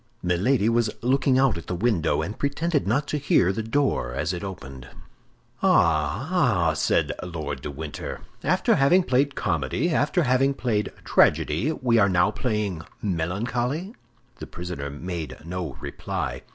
Milady was looking out at the window, and pretended not to hear the door as it opened. "Ah, ah!" said Lord de Winter, "after having played comedy, after having played tragedy, we are now playing melancholy?" The prisoner made no reply.